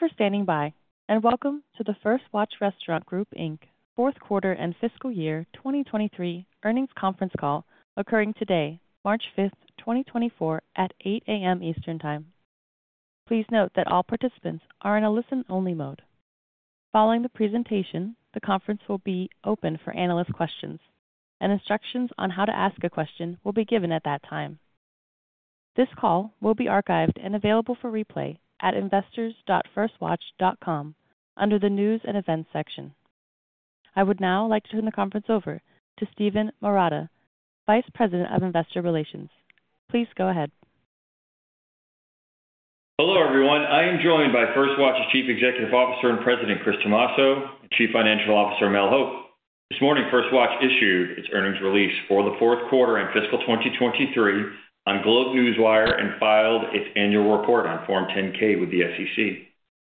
Thank you for standing by, and welcome to the First Watch Restaurant Group Inc Fourth Quarter and Fiscal Year 2023 Earnings Conference Call occurring today, March 5, 2024, at 8:00 A.M. Eastern Time. Please note that all participants are in a listen-only mode. Following the presentation, the conference will be open for analyst questions, and instructions on how to ask a question will be given at that time. This call will be archived and available for replay at investors.firstwatch.com under the news and events section. I would now like to turn the conference over to Steven Marotta, Vice President of Investor Relations. Please go ahead. Hello everyone. I am joined by First Watch's Chief Executive Officer and President Chris Tomasso and Chief Financial Officer Mel Hope. This morning, First Watch issued its earnings release for the fourth quarter and fiscal 2023 on GlobeNewswire and filed its annual report on Form 10-K with the SEC.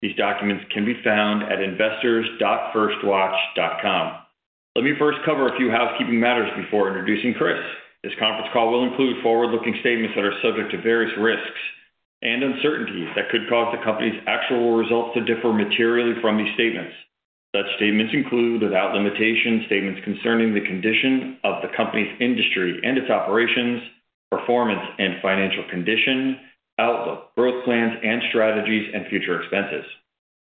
These documents can be found at investors.firstwatch.com. Let me first cover a few housekeeping matters before introducing Chris. This conference call will include forward-looking statements that are subject to various risks and uncertainties that could cause the company's actual results to differ materially from these statements. Such statements include, without limitation, statements concerning the condition of the company's industry and its operations, performance, and financial condition, outlook, growth plans and strategies, and future expenses.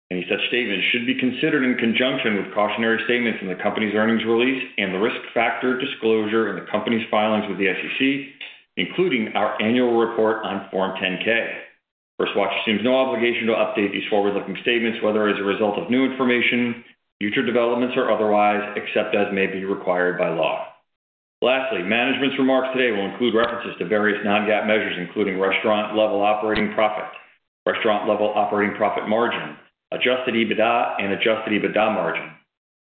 Any such statements should be considered in conjunction with cautionary statements in the company's earnings release and the risk factor disclosure in the company's filings with the SEC, including our annual report on Form 10-K. First Watch assumes no obligation to update these forward-looking statements, whether as a result of new information, future developments, or otherwise, except as may be required by law. Lastly, management's remarks today will include references to various non-GAAP measures, including restaurant-level operating profit, restaurant-level operating profit margin, adjusted EBITDA, and adjusted EBITDA margin.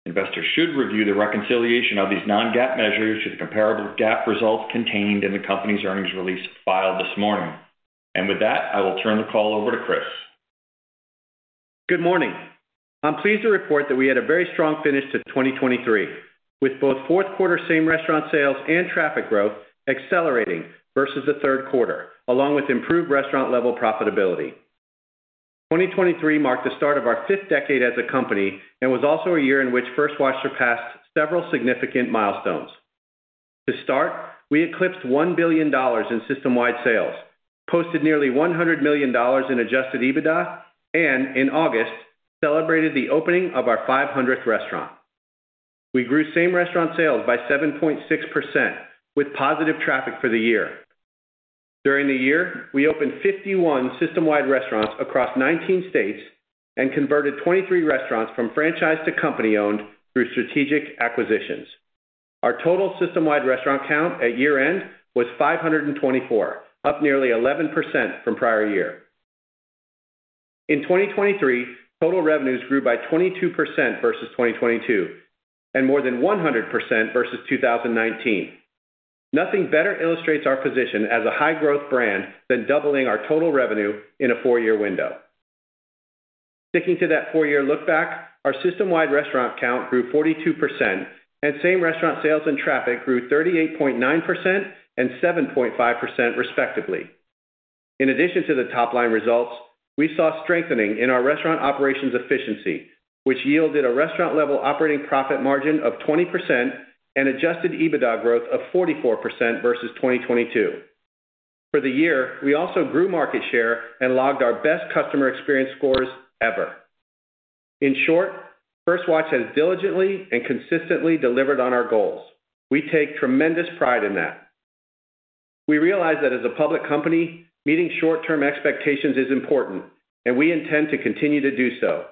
Investors should review the reconciliation of these non-GAAP measures to the comparable GAAP results contained in the company's earnings release filed this morning. And with that, I will turn the call over to Chris. Good morning. I'm pleased to report that we had a very strong finish to 2023, with both fourth quarter same restaurant sales and traffic growth accelerating versus the third quarter, along with improved restaurant-level profitability. 2023 marked the start of our fifth decade as a company and was also a year in which First Watch surpassed several significant milestones. To start, we eclipsed $1 billion in system-wide sales, posted nearly $100 million in Adjusted EBITDA, and, in August, celebrated the opening of our 500th restaurant. We grew same restaurant sales by 7.6%, with positive traffic for the year. During the year, we opened 51 system-wide restaurants across 19 states and converted 23 restaurants from franchise to company-owned through strategic acquisitions. Our total system-wide restaurant count at year-end was 524, up nearly 11% from prior year. In 2023, total revenues grew by 22% versus 2022 and more than 100% versus 2019. Nothing better illustrates our position as a high-growth brand than doubling our total revenue in a four-year window. Sticking to that four-year lookback, our system-wide restaurant count grew 42%, and same restaurant sales and traffic grew 38.9% and 7.5%, respectively. In addition to the top-line results, we saw strengthening in our restaurant operations efficiency, which yielded a restaurant-level operating profit margin of 20% and Adjusted EBITDA growth of 44% versus 2022. For the year, we also grew market share and logged our best customer experience scores ever. In short, First Watch has diligently and consistently delivered on our goals. We take tremendous pride in that. We realize that as a public company, meeting short-term expectations is important, and we intend to continue to do so.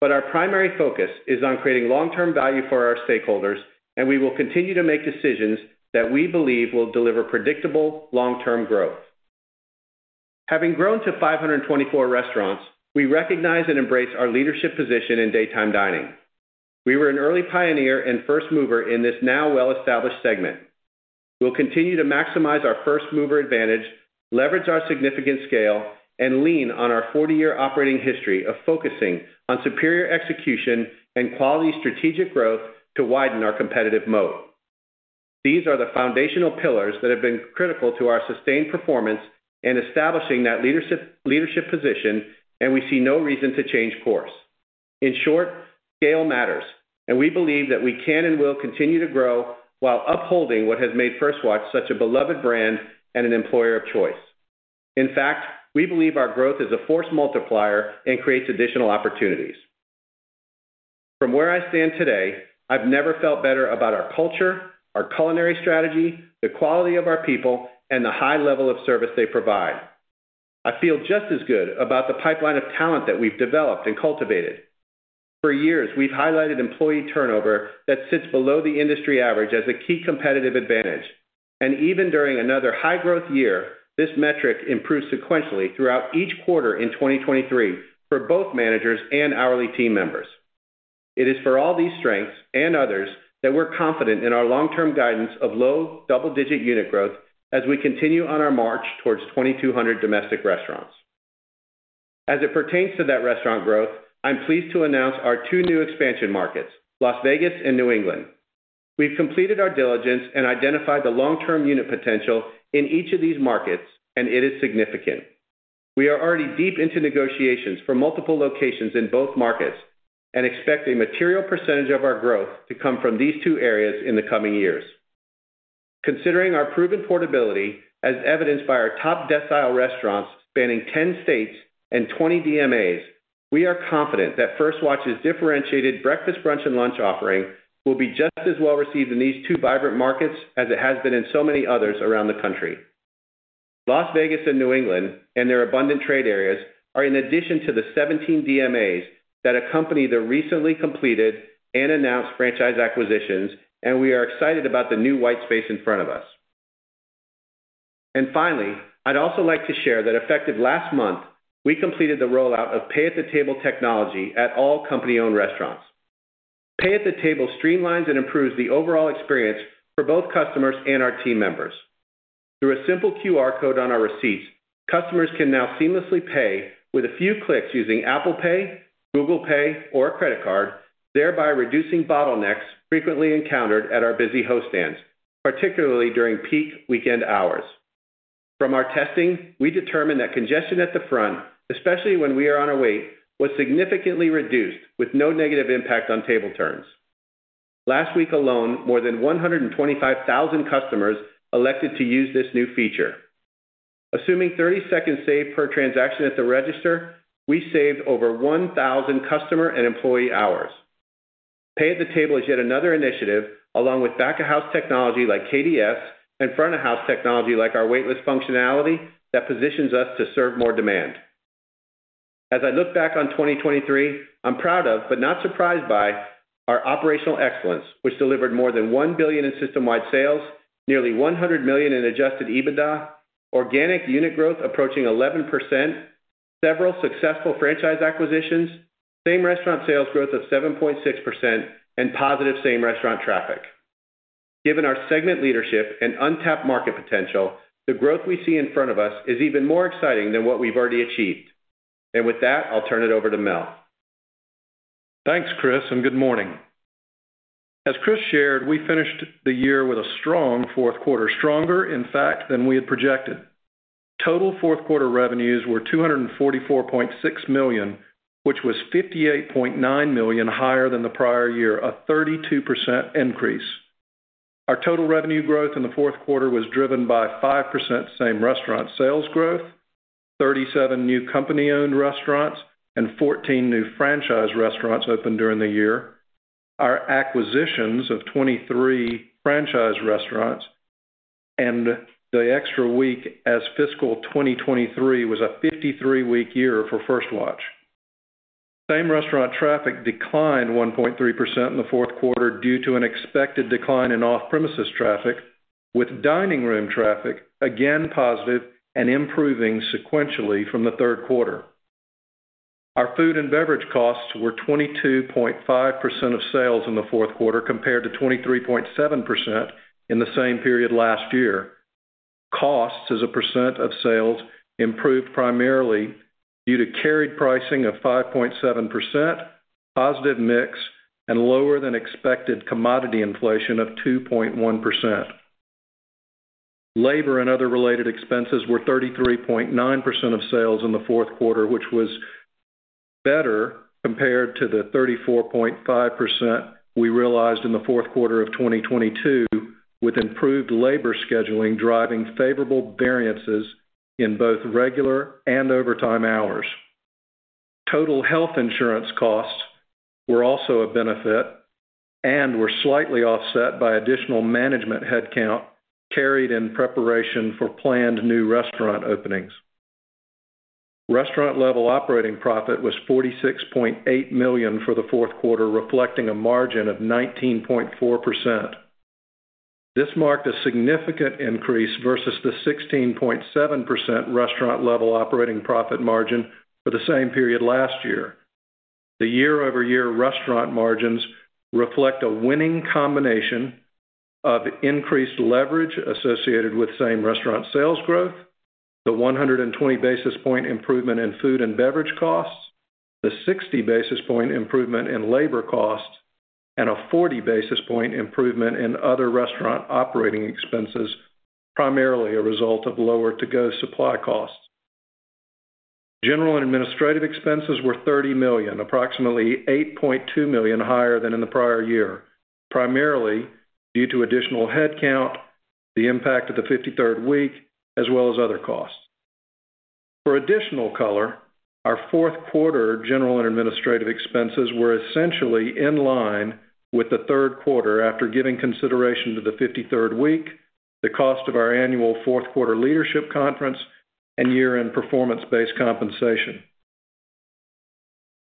But our primary focus is on creating long-term value for our stakeholders, and we will continue to make decisions that we believe will deliver predictable long-term growth. Having grown to 524 restaurants, we recognize and embrace our leadership position in daytime dining. We were an early pioneer and first mover in this now well-established segment. We'll continue to maximize our first mover advantage, leverage our significant scale, and lean on our 40-year operating history of focusing on superior execution and quality strategic growth to widen our competitive moat. These are the foundational pillars that have been critical to our sustained performance and establishing that leadership position, and we see no reason to change course. In short, scale matters, and we believe that we can and will continue to grow while upholding what has made First Watch such a beloved brand and an employer of choice. In fact, we believe our growth is a force multiplier and creates additional opportunities. From where I stand today, I've never felt better about our culture, our culinary strategy, the quality of our people, and the high level of service they provide. I feel just as good about the pipeline of talent that we've developed and cultivated. For years, we've highlighted employee turnover that sits below the industry average as a key competitive advantage, and even during another high-growth year, this metric improved sequentially throughout each quarter in 2023 for both managers and hourly team members. It is for all these strengths and others that we're confident in our long-term guidance of low, double-digit unit growth as we continue on our march towards 2,200 domestic restaurants. As it pertains to that restaurant growth, I'm pleased to announce our two new expansion markets, Las Vegas and New England. We've completed our diligence and identified the long-term unit potential in each of these markets, and it is significant. We are already deep into negotiations for multiple locations in both markets and expect a material percentage of our growth to come from these two areas in the coming years. Considering our proven portability as evidenced by our top decile restaurants spanning 10 states and 20 DMAs, we are confident that First Watch's differentiated breakfast, brunch, and lunch offering will be just as well received in these two vibrant markets as it has been in so many others around the country. Las Vegas and New England and their abundant trade areas are in addition to the 17 DMAs that accompany the recently completed and announced franchise acquisitions, and we are excited about the new white space in front of us. Finally, I'd also like to share that effective last month, we completed the rollout of pay-at-the-table technology at all company-owned restaurants. Pay-at-the-table streamlines and improves the overall experience for both customers and our team members. Through a simple QR code on our receipts, customers can now seamlessly pay with a few clicks using Apple Pay, Google Pay, or a credit card, thereby reducing bottlenecks frequently encountered at our busy host stands, particularly during peak weekend hours. From our testing, we determined that congestion at the front, especially when we are on our way, was significantly reduced with no negative impact on table turns. Last week alone, more than 125,000 customers elected to use this new feature. Assuming 30 seconds saved per transaction at the register, we saved over 1,000 customer and employee hours. Pay-at-the-table is yet another initiative along with back-of-house technology like KDS and front-of-house technology like our waitlist functionality that positions us to serve more demand. As I look back on 2023, I'm proud of but not surprised by our operational excellence, which delivered more than $1 billion in system-wide sales, nearly $100 million in Adjusted EBITDA, organic unit growth approaching 11%, several successful franchise acquisitions, same restaurant sales growth of 7.6%, and positive same restaurant traffic. Given our segment leadership and untapped market potential, the growth we see in front of us is even more exciting than what we've already achieved. And with that, I'll turn it over to Mel. Thanks, Chris, and good morning. As Chris shared, we finished the year with a strong fourth quarter, stronger, in fact, than we had projected. Total fourth quarter revenues were $244.6 million, which was $58.9 million higher than the prior year, a 32% increase. Our total revenue growth in the fourth quarter was driven by 5% same restaurant sales growth, 37 new company-owned restaurants, and 14 new franchise restaurants opened during the year. Our acquisitions of 23 franchise restaurants and the extra week as fiscal 2023 was a 53-week year for First Watch. Same restaurant traffic declined 1.3% in the fourth quarter due to an expected decline in off-premises traffic, with dining room traffic again positive and improving sequentially from the third quarter. Our food and beverage costs were 22.5% of sales in the fourth quarter compared to 23.7% in the same period last year. Costs as a percent of sales improved primarily due to carried pricing of 5.7%, positive mix, and lower than expected commodity inflation of 2.1%. Labor and other related expenses were 33.9% of sales in the fourth quarter, which was better compared to the 34.5% we realized in the fourth quarter of 2022, with improved labor scheduling driving favorable variances in both regular and overtime hours. Total health insurance costs were also a benefit and were slightly offset by additional management headcount carried in preparation for planned new restaurant openings. Restaurant-level operating profit was $46.8 million for the fourth quarter, reflecting a margin of 19.4%. This marked a significant increase versus the 16.7% restaurant-level operating profit margin for the same period last year. The year-over-year restaurant margins reflect a winning combination of increased leverage associated with same restaurant sales growth, the 120 basis point improvement in food and beverage costs, the 60 basis point improvement in labor costs, and a 40 basis point improvement in other restaurant operating expenses, primarily a result of lower to-go supply costs. General and administrative expenses were $30 million, approximately $8.2 million higher than in the prior year, primarily due to additional headcount, the impact of the 53rd week, as well as other costs. For additional color, our fourth quarter general and administrative expenses were essentially in line with the third quarter after giving consideration to the 53rd week, the cost of our annual fourth quarter leadership conference, and year-end performance-based compensation.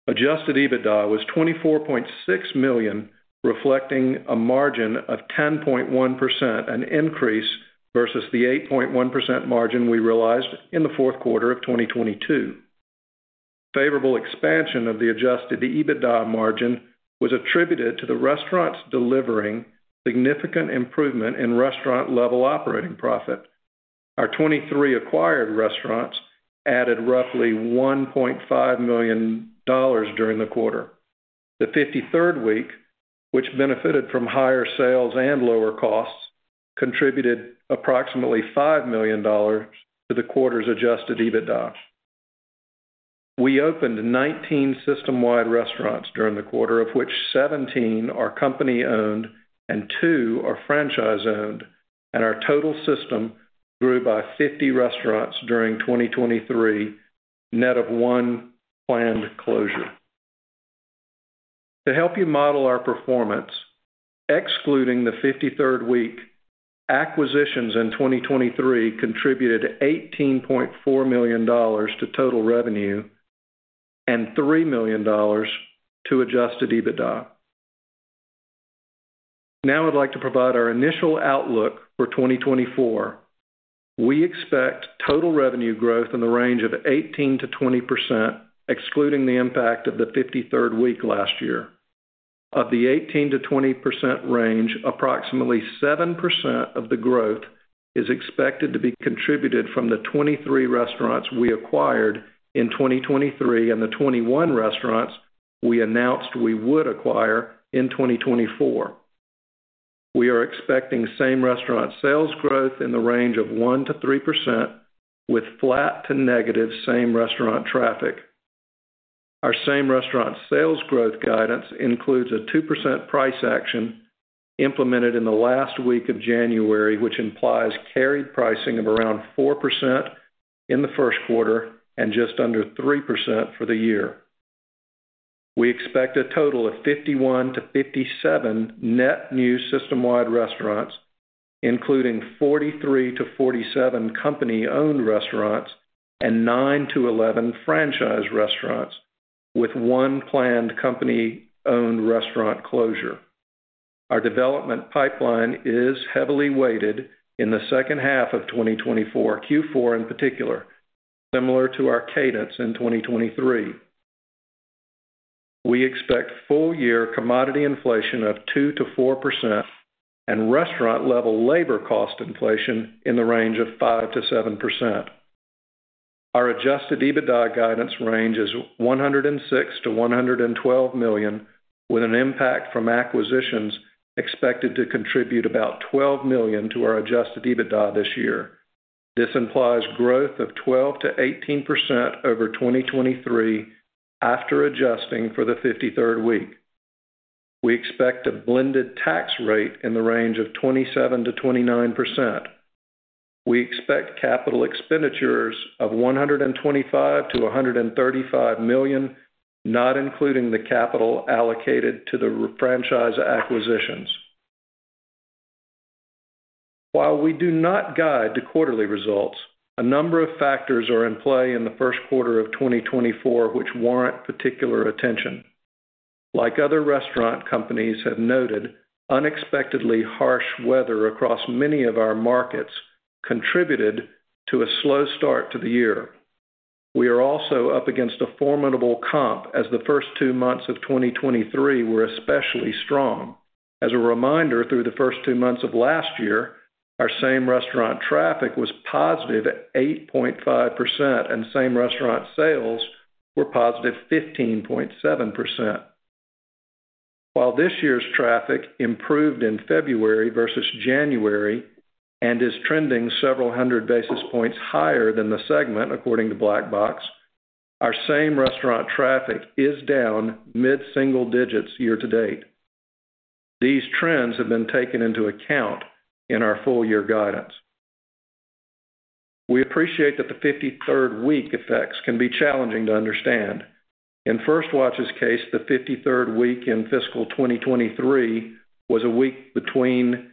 Adjusted EBITDA was $24.6 million, reflecting a margin of 10.1%, an increase versus the 8.1% margin we realized in the fourth quarter of 2022. Favorable expansion of the Adjusted EBITDA margin was attributed to the restaurants delivering significant improvement in restaurant-level operating profit. Our 23 acquired restaurants added roughly $1.5 million during the quarter. The 53rd week, which benefited from higher sales and lower costs, contributed approximately $5 million to the quarter's Adjusted EBITDA. We opened 19 system-wide restaurants during the quarter, of which 17 are company-owned and two are franchise-owned, and our total system grew by 50 restaurants during 2023, net of one planned closure. To help you model our performance, excluding the 53rd week, acquisitions in 2023 contributed $18.4 million to total revenue and $3 million to Adjusted EBITDA. Now I'd like to provide our initial outlook for 2024. We expect total revenue growth in the range of 18%-20%, excluding the impact of the 53rd week last year. Of the 18%-20% range, approximately 7% of the growth is expected to be contributed from the 23 restaurants we acquired in 2023 and the 21 restaurants we announced we would acquire in 2024. We are expecting same restaurant sales growth in the range of 1%-3%, with flat to negative same restaurant traffic. Our same restaurant sales growth guidance includes a 2% price action implemented in the last week of January, which implies carried pricing of around 4% in the first quarter and just under 3% for the year. We expect a total of 51-57 net new system-wide restaurants, including 43-47 company-owned restaurants and nine to 11 franchise restaurants, with one planned company-owned restaurant closure. Our development pipeline is heavily weighted in the second half of 2024, Q4 in particular, similar to our cadence in 2023. We expect full-year commodity inflation of 2%-4% and restaurant-level labor cost inflation in the range of 5%-7%. Our Adjusted EBITDA guidance range is $106 million-$112 million, with an impact from acquisitions expected to contribute about $12 million to our Adjusted EBITDA this year. This implies growth of 12%-18% over 2023 after adjusting for the 53rd week. We expect a blended tax rate in the range of 27%-29%. We expect capital expenditures of $125 million-$135 million, not including the capital allocated to the franchise acquisitions. While we do not guide to quarterly results, a number of factors are in play in the first quarter of 2024, which warrant particular attention. Like other restaurant companies have noted, unexpectedly harsh weather across many of our markets contributed to a slow start to the year. We are also up against a formidable comp as the first two months of 2023 were especially strong. As a reminder, through the first two months of last year, our same restaurant traffic was +8.5% and same restaurant sales were +15.7%. While this year's traffic improved in February versus January and is trending several hundred basis points higher than the segment, according to Black Box, our same restaurant traffic is down mid-single digits year to date. These trends have been taken into account in our full-year guidance. We appreciate that the 53rd week effects can be challenging to understand. In First Watch's case, the 53rd week in fiscal 2023 was a week between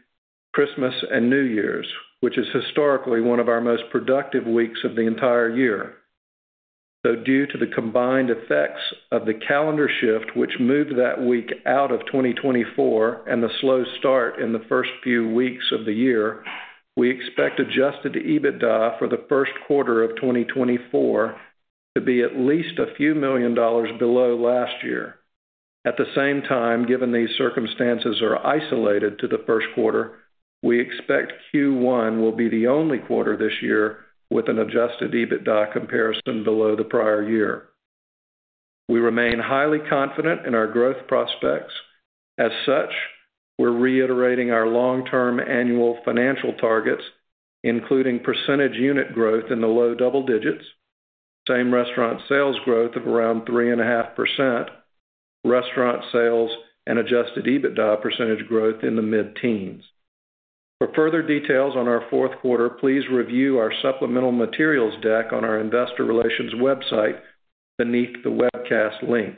Christmas and New Year's, which is historically one of our most productive weeks of the entire year. Due to the combined effects of the calendar shift, which moved that week out of 2024, and the slow start in the first few weeks of the year, we expect Adjusted EBITDA for the first quarter of 2024 to be at least $a few million below last year. At the same time, given these circumstances are isolated to the first quarter, we expect Q1 will be the only quarter this year with an Adjusted EBITDA comparison below the prior year. We remain highly confident in our growth prospects. As such, we're reiterating our long-term annual financial targets, including percentage unit growth in the low double digits, same-restaurant sales growth of around 3.5%, restaurant sales, and Adjusted EBITDA percentage growth in the mid-teens. For further details on our fourth quarter, please review our supplemental materials deck on our investor relations website beneath the webcast link.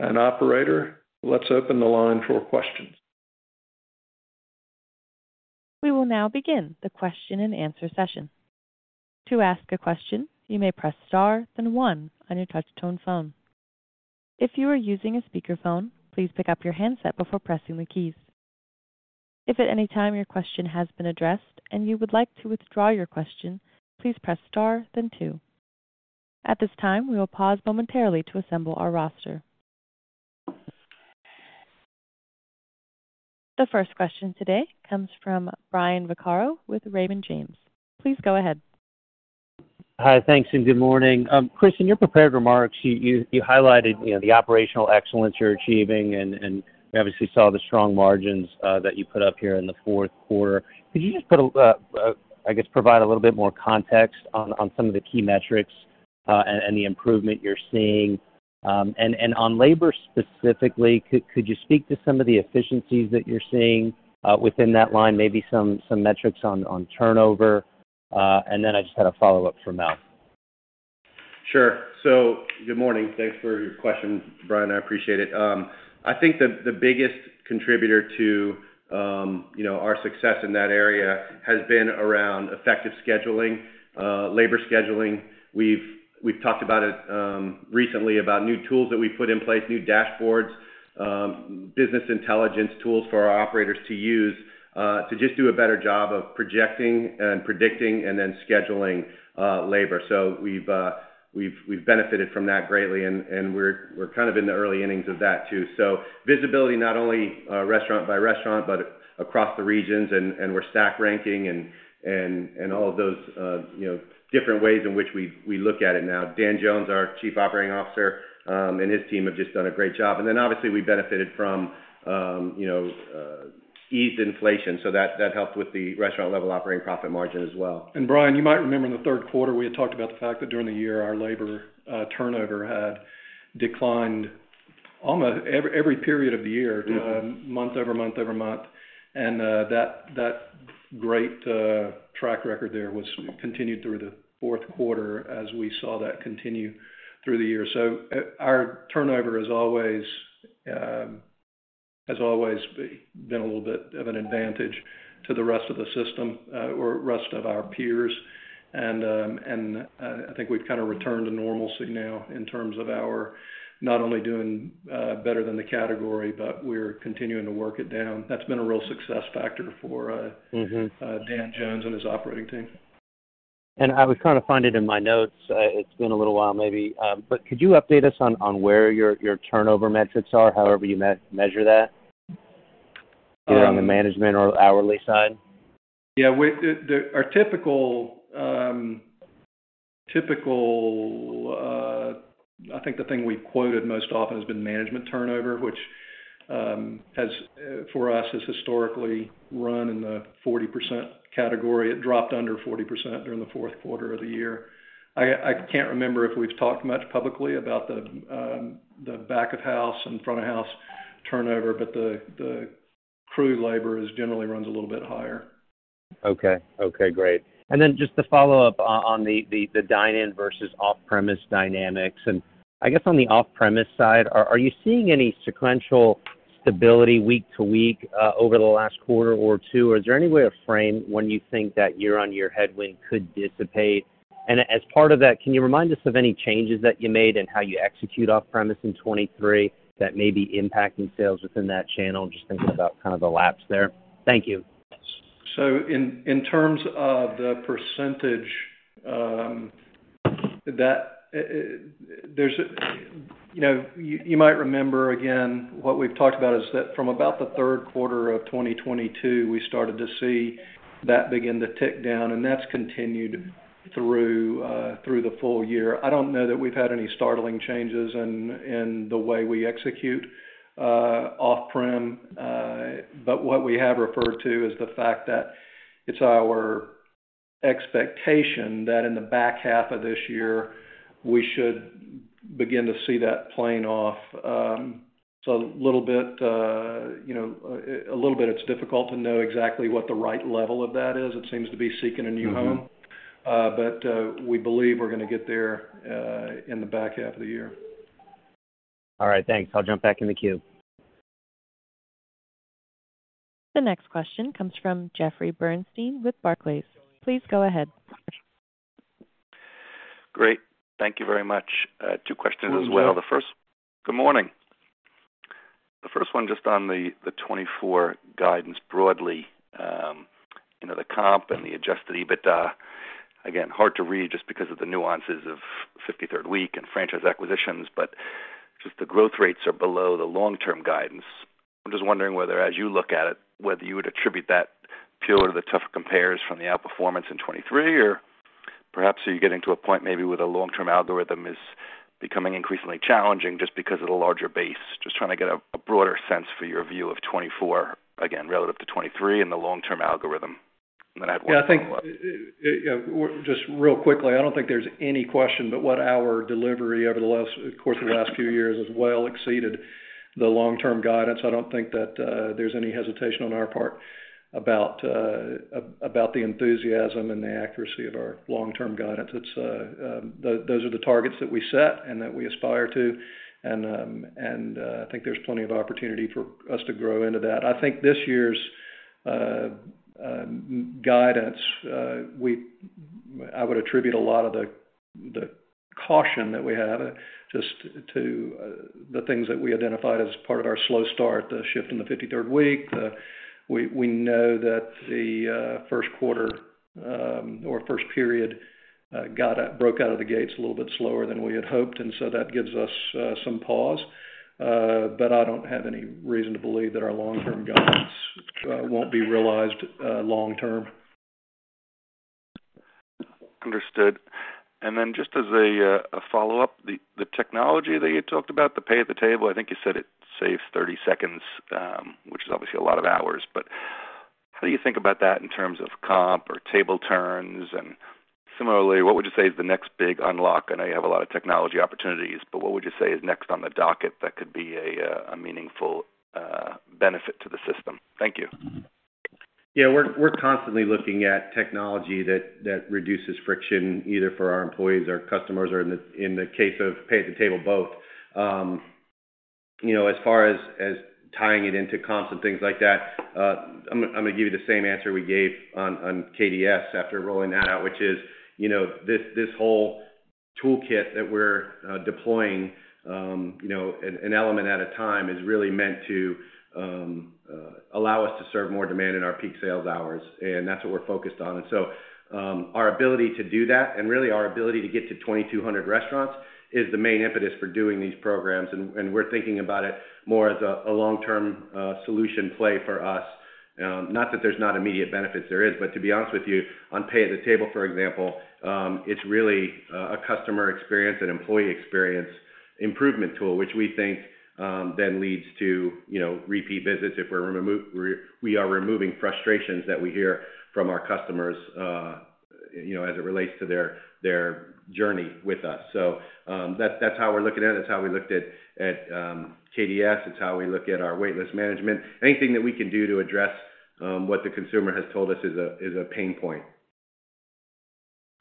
Operator, let's open the line for questions. We will now begin the question and answer session. To ask a question, you may press star, then one on your touch-tone phone. If you are using a speakerphone, please pick up your handset before pressing the keys. If at any time your question has been addressed and you would like to withdraw your question, please press star, then two. At this time, we will pause momentarily to assemble our roster. The first question today comes from Brian Vaccaro with Raymond James. Please go ahead. Hi, thanks, and good morning. Chris, in your prepared remarks, you highlighted the operational excellence you're achieving, and we obviously saw the strong margins that you put up here in the fourth quarter. Could you just, I guess, provide a little bit more context on some of the key metrics and the improvement you're seeing? And on labor specifically, could you speak to some of the efficiencies that you're seeing within that line, maybe some metrics on turnover? And then I just had a follow-up for Mel. Sure. So good morning. Thanks for your question, Brian. I appreciate it. I think the biggest contributor to our success in that area has been around effective scheduling, labor scheduling. We've talked about it recently about new tools that we put in place, new dashboards, business intelligence tools for our operators to use to just do a better job of projecting and predicting and then scheduling labor. So we've benefited from that greatly, and we're kind of in the early innings of that too. So visibility, not only restaurant by restaurant, but across the regions, and we're stack ranking and all of those different ways in which we look at it now. Dan Jones, our Chief Operating Officer, and his team have just done a great job. And then obviously, we benefited from eased inflation, so that helped with the restaurant-level operating profit margin as well. Brian, you might remember in the third quarter, we had talked about the fact that during the year, our labor turnover had declined almost every period of the year, month-over-month over month. That great track record there continued through the fourth quarter as we saw that continue through the year. Our turnover, as always, has always been a little bit of an advantage to the rest of the system or rest of our peers. I think we've kind of returned to normalcy now in terms of our not only doing better than the category, but we're continuing to work it down. That's been a real success factor for Dan Jones and his operating team. I was trying to find it in my notes. It's been a little while maybe. Could you update us on where your turnover metrics are, however you measure that, either on the management or hourly side? Yeah. I think the thing we've quoted most often has been management turnover, which for us has historically run in the 40% category. It dropped under 40% during the fourth quarter of the year. I can't remember if we've talked much publicly about the back-of-house and front-of-house turnover, but the crew labor generally runs a little bit higher. Okay. Okay. Great. Then just to follow up on the dine-in versus off-premise dynamics. I guess on the off-premise side, are you seeing any sequential stability week to week over the last quarter or two? Or is there any way of framing when you think that year-on-year headwind could dissipate? And as part of that, can you remind us of any changes that you made and how you execute off-premise in 2023 that may be impacting sales within that channel? Just thinking about kind of the lapse there. Thank you. So in terms of the percentage, you might remember, again, what we've talked about is that from about the third quarter of 2022, we started to see that begin to tick down, and that's continued through the full year. I don't know that we've had any startling changes in the way we execute off-prem, but what we have referred to as the fact that it's our expectation that in the back half of this year, we should begin to see that playing off. So a little bit it's difficult to know exactly what the right level of that is. It seems to be seeking a new home. But we believe we're going to get there in the back half of the year. All right. Thanks. I'll jump back in the queue. The next question comes from Jeffrey Bernstein with Barclays. Please go ahead. Great. Thank you very much. Two questions as well. The first, good morning. The first one just on the 2024 guidance broadly, the comp and the Adjusted EBITDA. Again, hard to read just because of the nuances of 53rd week and franchise acquisitions, but just the growth rates are below the long-term guidance. I'm just wondering whether, as you look at it, whether you would attribute that purely to the tougher compares from the outperformance in 2023, or perhaps are you getting to a point maybe where the long-term algorithm is becoming increasingly challenging just because of the larger base? Just trying to get a broader sense for your view of 2024, again, relative to 2023 and the long-term algorithm. And then I'd want to follow up. Yeah. I think just real quickly, I don't think there's any question, but what our delivery over the course of the last few years as well exceeded the long-term guidance. I don't think that there's any hesitation on our part about the enthusiasm and the accuracy of our long-term guidance. Those are the targets that we set and that we aspire to. And I think there's plenty of opportunity for us to grow into that. I think this year's guidance, I would attribute a lot of the caution that we have just to the things that we identified as part of our slow start, the shift in the 53rd week. We know that the first quarter or first period broke out of the gates a little bit slower than we had hoped, and so that gives us some pause. I don't have any reason to believe that our long-term guidance won't be realized long-term. Understood. And then just as a follow-up, the technology that you talked about, the pay at the table, I think you said it saves 30 seconds, which is obviously a lot of hours. But how do you think about that in terms of comp or table turns? And similarly, what would you say is the next big unlock? I know you have a lot of technology opportunities, but what would you say is next on the docket that could be a meaningful benefit to the system? Thank you. Yeah. We're constantly looking at technology that reduces friction either for our employees, our customers, or in the case of pay-at-the-table, both. As far as tying it into comps and things like that, I'm going to give you the same answer we gave on KDS after rolling that out, which is this whole toolkit that we're deploying, an element at a time, is really meant to allow us to serve more demand in our peak sales hours. And that's what we're focused on. And so our ability to do that, and really our ability to get to 2,200 restaurants, is the main impetus for doing these programs. And we're thinking about it more as a long-term solution play for us. Not that there's not immediate benefits. There is. But to be honest with you, on pay at the table, for example, it's really a customer experience and employee experience improvement tool, which we think then leads to repeat visits if we are removing frustrations that we hear from our customers as it relates to their journey with us. So that's how we're looking at it. That's how we looked at KDS. It's how we look at our waitlist management. Anything that we can do to address what the consumer has told us is a pain point.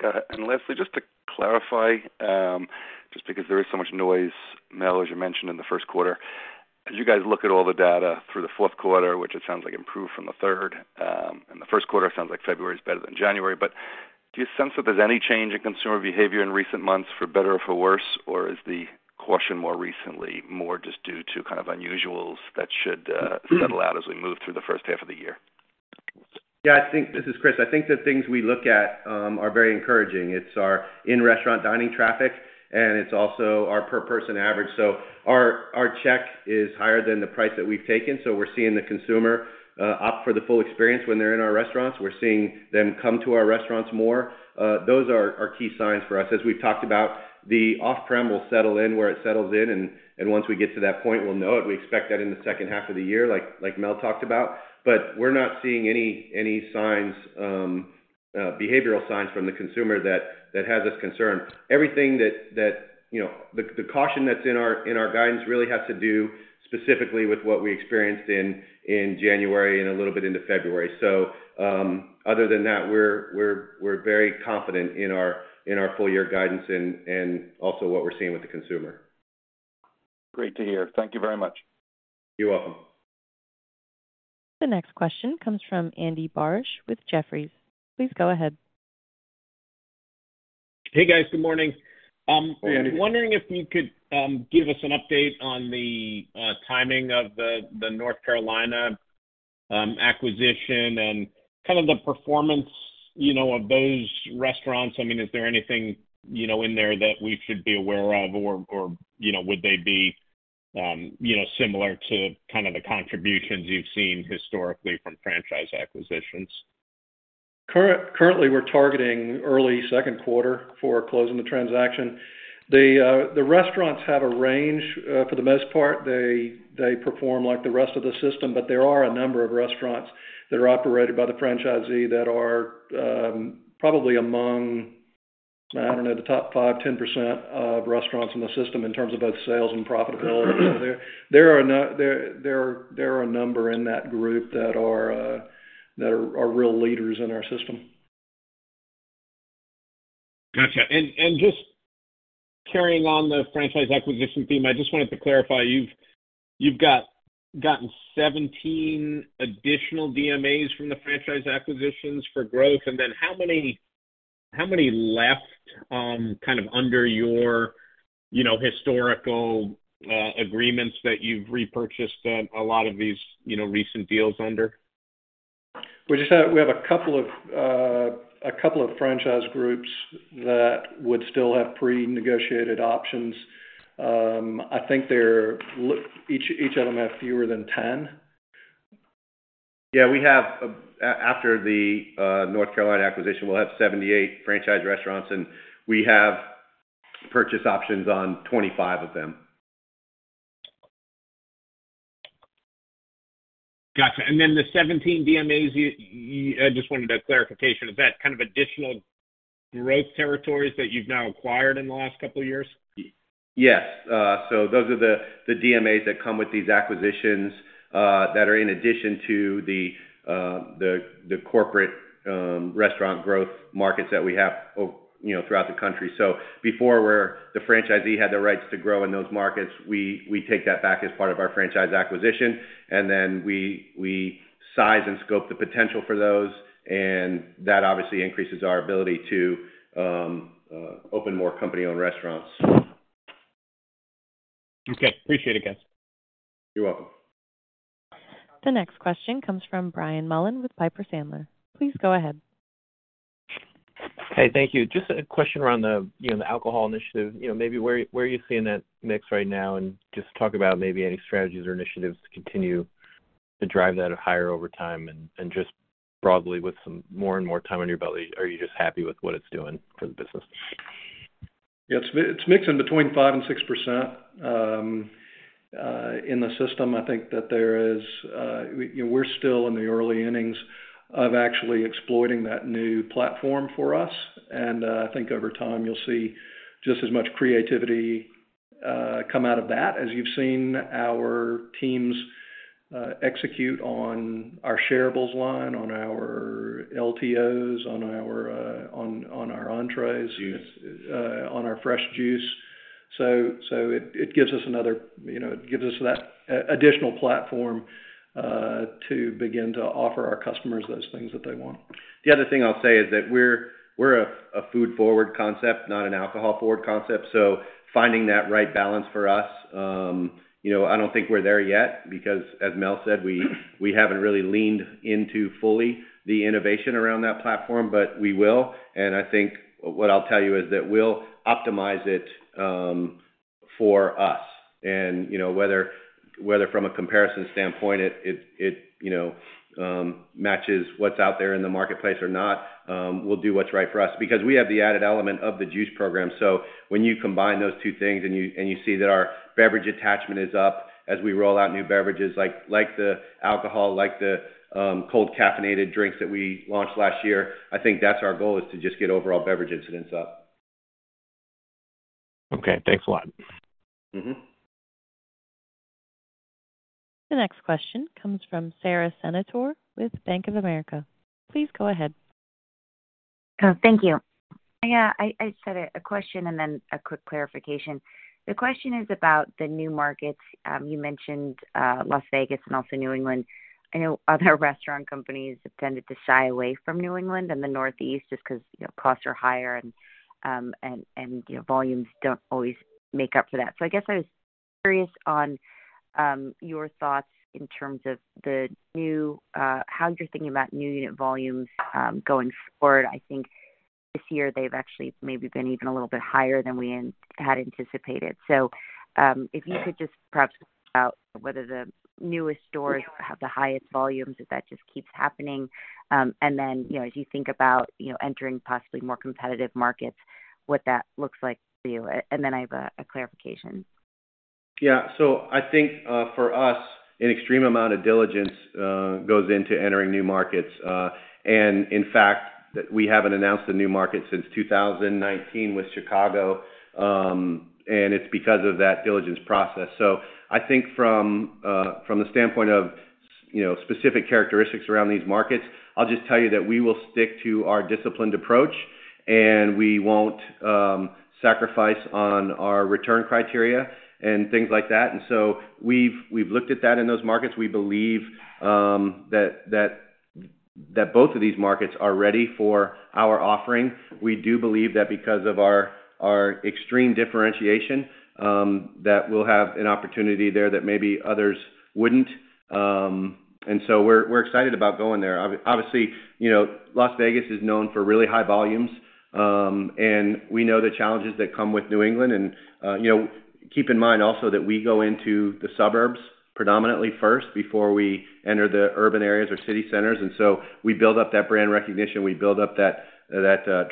Got it. And Leslie, just to clarify, just because there is so much noise, Mel, as you mentioned, in the first quarter, as you guys look at all the data through the fourth quarter, which it sounds like improved from the third, and the first quarter, it sounds like February is better than January, but do you sense that there's any change in consumer behavior in recent months for better or for worse, or is the caution more recently more just due to kind of unusuals that should settle out as we move through the first half of the year? Yeah. This is Chris. I think the things we look at are very encouraging. It's our in-restaurant dining traffic, and it's also our per-person average. So our check is higher than the price that we've taken. So we're seeing the consumer opt for the full experience when they're in our restaurants. We're seeing them come to our restaurants more. Those are key signs for us. As we've talked about, the off-prem will settle in where it settles in, and once we get to that point, we'll know it. We expect that in the second half of the year, like Mel talked about. But we're not seeing any behavioral signs from the consumer that has us concerned. Everything that the caution that's in our guidance really has to do specifically with what we experienced in January and a little bit into February. Other than that, we're very confident in our full-year guidance and also what we're seeing with the consumer. Great to hear. Thank you very much. You're welcome. The next question comes from Andy Barish with Jefferies. Please go ahead. Hey, guys. Good morning. I was wondering if you could give us an update on the timing of the North Carolina acquisition and kind of the performance of those restaurants. I mean, is there anything in there that we should be aware of, or would they be similar to kind of the contributions you've seen historically from franchise acquisitions? Currently, we're targeting early second quarter for closing the transaction. The restaurants have a range for the most part. They perform like the rest of the system, but there are a number of restaurants that are operated by the franchisee that are probably among, I don't know, the top 5%-10% of restaurants in the system in terms of both sales and profitability. So there are a number in that group that are real leaders in our system. Gotcha. Just carrying on the franchise acquisition theme, I just wanted to clarify. You've gotten 17 additional DMAs from the franchise acquisitions for growth. Then how many left kind of under your historical agreements that you've repurchased a lot of these recent deals under? We have a couple of franchise groups that would still have pre-negotiated options. I think each of them have fewer than 10. Yeah. After the North Carolina acquisition, we'll have 78 franchise restaurants, and we have purchase options on 25 of them. Gotcha. And then the 17 DMAs, I just wanted a clarification. Is that kind of additional growth territories that you've now acquired in the last couple of years? Yes. So those are the DMAs that come with these acquisitions that are in addition to the corporate restaurant growth markets that we have throughout the country. So before, where the franchisee had the rights to grow in those markets, we take that back as part of our franchise acquisition, and then we size and scope the potential for those. And that obviously increases our ability to open more company-owned restaurants. Okay. Appreciate it, guys. You're welcome. The next question comes from Brian Mullan with Piper Sandler. Please go ahead. Hey. Thank you. Just a question around the alcohol initiative. Maybe where are you seeing that mix right now? And just talk about maybe any strategies or initiatives to continue to drive that higher over time. And just broadly, with more and more time on your belt, are you just happy with what it's doing for the business? Yeah. It's mixing between 5%-6% in the system. I think we're still in the early innings of actually exploiting that new platform for us. And I think over time, you'll see just as much creativity come out of that as you've seen our teams execute on our shareables line, on our LTOs, on our entrées, on our fresh juice. So it gives us another, it gives us that additional platform to begin to offer our customers those things that they want. The other thing I'll say is that we're a food-forward concept, not an alcohol-forward concept. So finding that right balance for us, I don't think we're there yet because, as Mel said, we haven't really leaned into fully the innovation around that platform. But we will. And I think what I'll tell you is that we'll optimize it for us. And whether from a comparison standpoint, it matches what's out there in the marketplace or not, we'll do what's right for us because we have the added element of the juice program. So when you combine those two things and you see that our beverage attachment is up as we roll out new beverages, like the alcohol, like the cold caffeinated drinks that we launched last year, I think that's our goal, is to just get overall beverage incidents up. Okay. Thanks a lot. The next question comes from Sara Senatore with Bank of America. Please go ahead. Thank you. Yeah. I have a question and then a quick clarification. The question is about the new markets. You mentioned Las Vegas and also New England. I know other restaurant companies tended to shy away from New England and the Northeast just because costs are higher and volumes don't always make up for that. So I guess I was curious on your thoughts in terms of how you're thinking about new unit volumes going forward. I think this year, they've actually maybe been even a little bit higher than we had anticipated. So if you could just perhaps about whether the newest stores have the highest volumes, if that just keeps happening. And then as you think about entering possibly more competitive markets, what that looks like for you. And then I have a clarification. Yeah. So I think for us, an extreme amount of diligence goes into entering new markets. And in fact, we haven't announced a new market since 2019 with Chicago. And it's because of that diligence process. So I think from the standpoint of specific characteristics around these markets, I'll just tell you that we will stick to our disciplined approach, and we won't sacrifice on our return criteria and things like that. And so we've looked at that in those markets. We believe that both of these markets are ready for our offering. We do believe that because of our extreme differentiation, that we'll have an opportunity there that maybe others wouldn't. And so we're excited about going there. Obviously, Las Vegas is known for really high volumes. And we know the challenges that come with New England. Keep in mind also that we go into the suburbs predominantly first before we enter the urban areas or city centers. So we build up that brand recognition. We build up that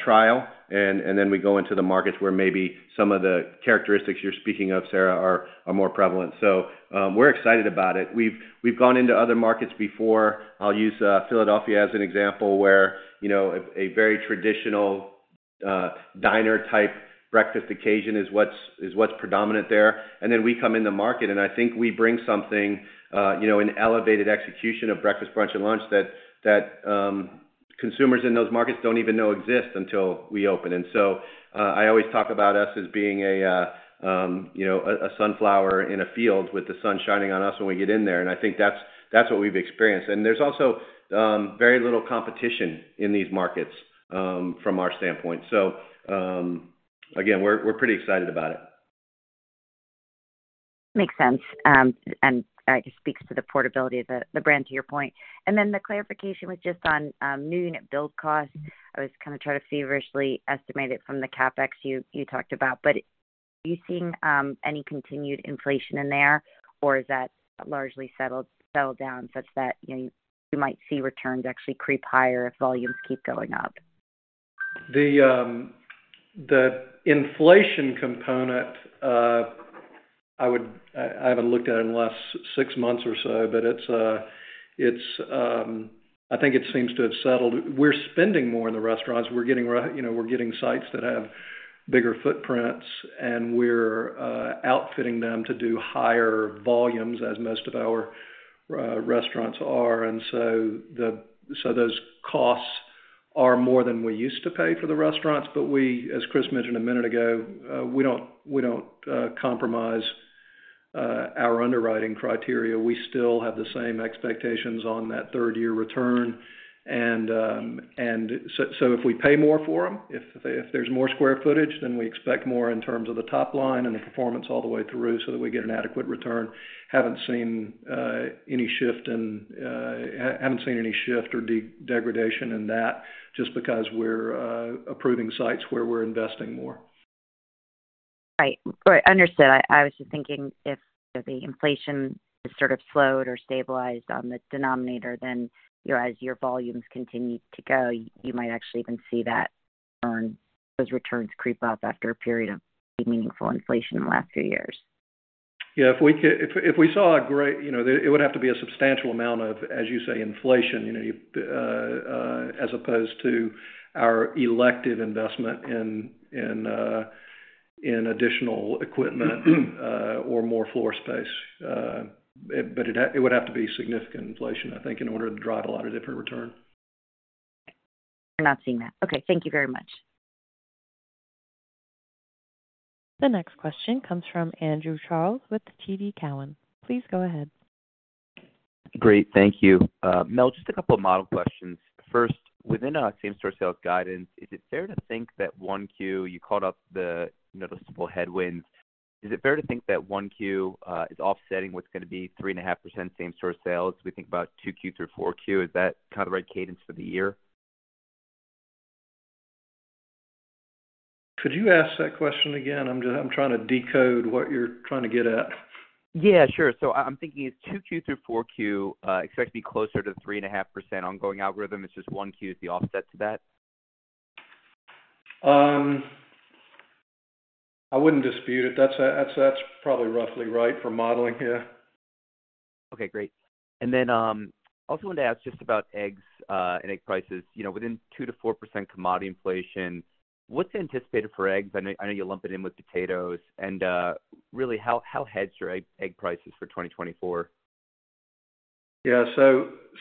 trial. Then we go into the markets where maybe some of the characteristics you're speaking of, Sara, are more prevalent. So we're excited about it. We've gone into other markets before. I'll use Philadelphia as an example where a very traditional diner-type breakfast occasion is what's predominant there. Then we come in the market, and I think we bring something, an elevated execution of breakfast, brunch, and lunch that consumers in those markets don't even know exist until we open. So I always talk about us as being a sunflower in a field with the sun shining on us when we get in there. And I think that's what we've experienced. There's also very little competition in these markets from our standpoint. Again, we're pretty excited about it. Makes sense. And I guess speaks to the portability of the brand, to your point. And then the clarification was just on new unit build costs. I was kind of trying to feverishly estimate it from the CapEx you talked about. But are you seeing any continued inflation in there, or is that largely settled down such that you might see returns actually creep higher if volumes keep going up? The inflation component, I haven't looked at it in the last six months or so, but I think it seems to have settled. We're spending more in the restaurants. We're getting sites that have bigger footprints, and we're outfitting them to do higher volumes as most of our restaurants are. So those costs are more than we used to pay for the restaurants. But as Chris mentioned a minute ago, we don't compromise our underwriting criteria. We still have the same expectations on that third-year return. So if we pay more for them, if there's more square footage, then we expect more in terms of the top line and the performance all the way through so that we get an adequate return. Haven't seen any shift or degradation in that just because we're approving sites where we're investing more. Right. Understood. I was just thinking if the inflation has sort of slowed or stabilized on the denominator, then as your volumes continue to go, you might actually even see those returns creep up after a period of meaningful inflation in the last few years. Yeah. If we agree, it would have to be a substantial amount of, as you say, inflation as opposed to our elective investment in additional equipment or more floor space. But it would have to be significant inflation, I think, in order to drive a lot of different return. We're not seeing that. Okay. Thank you very much. The next question comes from Andrew Charles with TD Cowen. Please go ahead. Great. Thank you. Mel, just a couple of model questions. First, within our same-store sales guidance, is it fair to think that 1Q you caught up the noticeable headwinds? Is it fair to think that 1Q is offsetting what's going to be 3.5% same-store sales? We think about 2Q through 4Q. Is that kind of the right cadence for the year? Could you ask that question again? I'm trying to decode what you're trying to get at. Yeah. Sure. So I'm thinking is 2Q through 4Q expect to be closer to 3.5% ongoing algorithm? Is just 1Q the offset to that? I wouldn't dispute it. That's probably roughly right for modeling. Yeah. Okay. Great. I also wanted to ask just about eggs and egg prices. Within 2%-4% commodity inflation, what's anticipated for eggs? I know you're lumping in with potatoes. Really, how hedged are egg prices for 2024? Yeah.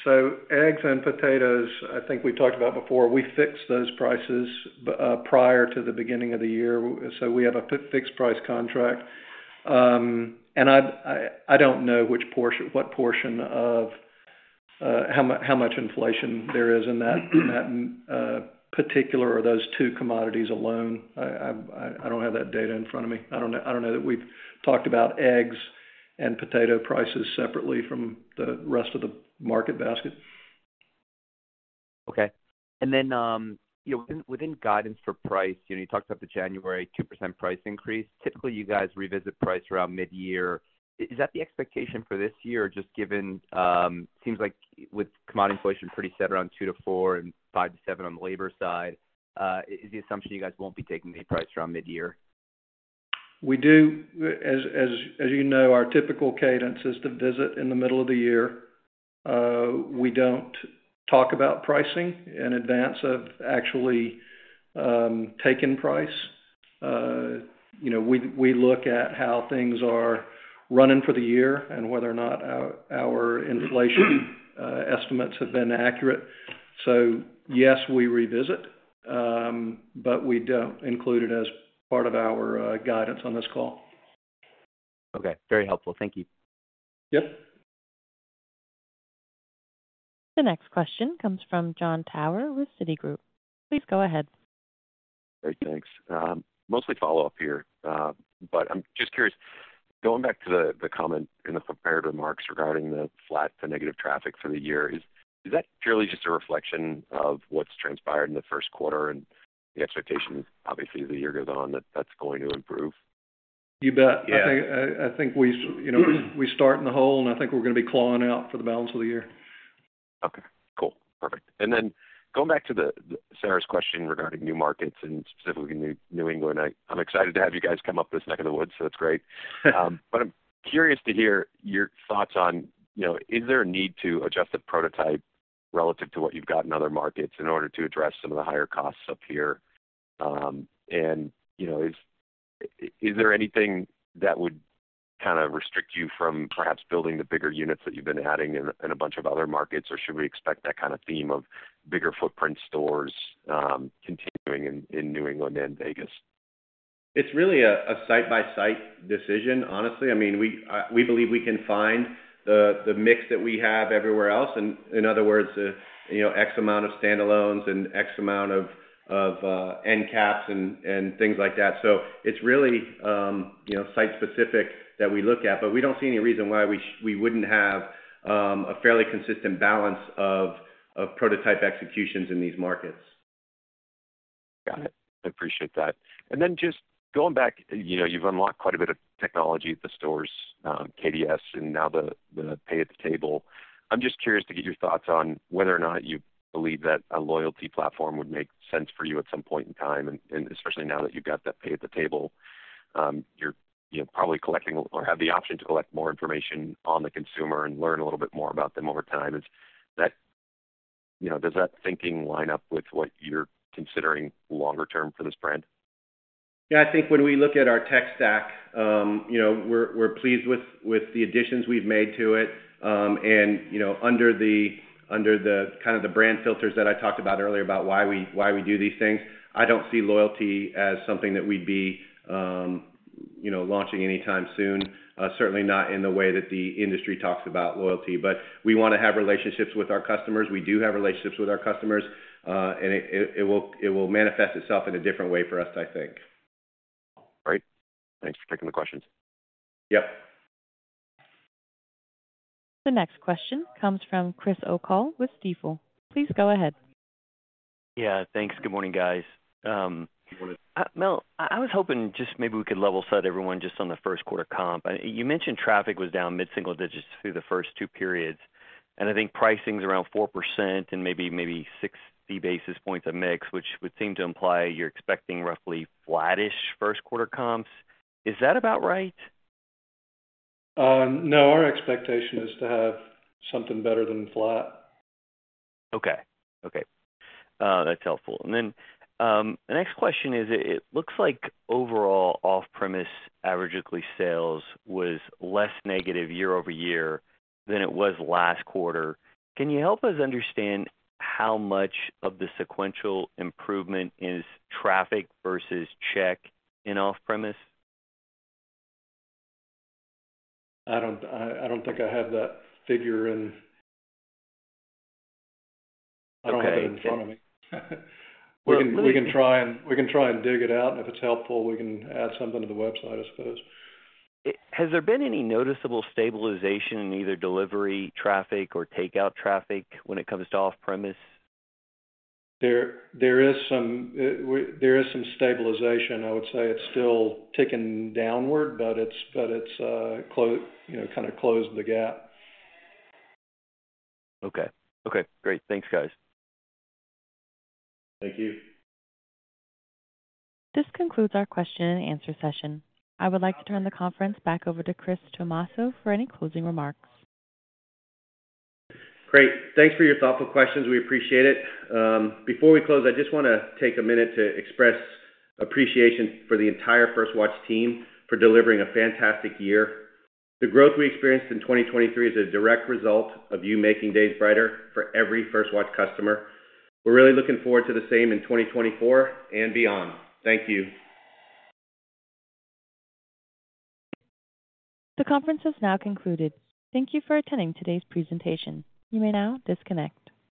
So eggs and potatoes, I think we talked about before, we fix those prices prior to the beginning of the year. So we have a fixed-price contract. And I don't know what portion of how much inflation there is in that particular or those two commodities alone. I don't have that data in front of me. I don't know that we've talked about eggs and potato prices separately from the rest of the market basket. Okay. And then within guidance for price, you talked about the January 2% price increase. Typically, you guys revisit price around mid-year. Is that the expectation for this year? It seems like with commodity inflation pretty set around 2%-4% and 5%-7% on the labor side. Is the assumption you guys won't be taking any price around mid-year? We do. As you know, our typical cadence is to visit in the middle of the year. We don't talk about pricing in advance of actually taking price. We look at how things are running for the year and whether or not our inflation estimates have been accurate. So yes, we revisit, but we don't include it as part of our guidance on this call. Okay. Very helpful. Thank you. Yep. The next question comes from Jon Tower with Citigroup. Please go ahead. Great. Thanks. Mostly follow-up here. But I'm just curious, going back to the comment in the prepared remarks regarding the flat to negative traffic for the year, is that purely just a reflection of what's transpired in the first quarter and the expectations, obviously, as the year goes on, that that's going to improve? You bet. I think we start in the hole, and I think we're going to be clawing out for the balance of the year. Okay. Cool. Perfect. And then going back to Sara's question regarding new markets and specifically New England, I'm excited to have you guys come up this neck of the woods, so that's great. But I'm curious to hear your thoughts on, is there a need to adjust the prototype relative to what you've got in other markets in order to address some of the higher costs up here? And is there anything that would kind of restrict you from perhaps building the bigger units that you've been adding in a bunch of other markets? Or should we expect that kind of theme of bigger footprint stores continuing in New England and Vegas? It's really a site-by-site decision, honestly. I mean, we believe we can find the mix that we have everywhere else. In other words, X amount of standalones and X amount of end caps and things like that. So it's really site-specific that we look at. But we don't see any reason why we wouldn't have a fairly consistent balance of prototype executions in these markets. Got it. I appreciate that. And then just going back, you've unlocked quite a bit of technology at the stores, KDS, and now the Pay-at-the-table. I'm just curious to get your thoughts on whether or not you believe that a loyalty platform would make sense for you at some point in time. And especially now that you've got that Pay-at-the-table, you're probably collecting or have the option to collect more information on the consumer and learn a little bit more about them over time. Does that thinking line up with what you're considering longer-term for this brand? Yeah. I think when we look at our tech stack, we're pleased with the additions we've made to it. Under kind of the brand filters that I talked about earlier about why we do these things, I don't see loyalty as something that we'd be launching anytime soon, certainly not in the way that the industry talks about loyalty. But we want to have relationships with our customers. We do have relationships with our customers. And it will manifest itself in a different way for us, I think. Great. Thanks for taking the questions. Yep. The next question comes from Chris O'Cull with Stifel. Please go ahead. Yeah. Thanks. Good morning, guys. Good morning. Mel, I was hoping just maybe we could level set everyone just on the first quarter comp. You mentioned traffic was down mid-single digits through the first two periods. And I think pricing's around 4% and maybe 60 basis points a mix, which would seem to imply you're expecting roughly flat-ish first-quarter comps. Is that about right? No. Our expectation is to have something better than flat. Okay. Okay. That's helpful. And then the next question is, it looks like overall off-premise averaged sales was less negative year-over-year than it was last quarter. Can you help us understand how much of the sequential improvement is traffic versus check in off-premise? I don't think I have that figure in. I don't have it in front of me. We can try and dig it out. If it's helpful, we can add something to the website, I suppose. Has there been any noticeable stabilization in either delivery traffic or takeout traffic when it comes to off-premise? There is some stabilization. I would say it's still ticking downward, but it's kind of closed the gap. Okay. Okay. Great. Thanks, guys. Thank you. This concludes our question-and-answer session. I would like to turn the conference back over to Chris Tomasso for any closing remarks. Great. Thanks for your thoughtful questions. We appreciate it. Before we close, I just want to take a minute to express appreciation for the entire First Watch team for delivering a fantastic year. The growth we experienced in 2023 is a direct result of you making days brighter for every First Watch customer. We're really looking forward to the same in 2024 and beyond. Thank you. The conference has now concluded. Thank you for attending today's presentation. You may now disconnect.